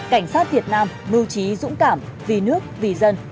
cảnh sát việt nam mưu trí dũng cảm vì nước vì dân